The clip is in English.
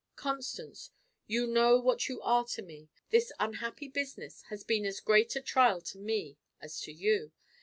"Constance, you know what you are to me. This unhappy business has been as great a trial to me as to you.